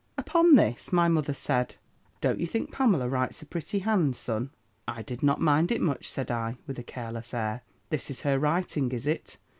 "Upon this, my mother said, 'Don't you think Pamela writes a pretty hand, son?' "'I did not mind it much,' said I, with a careless air. 'This is her writing, is it?'